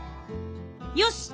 よし！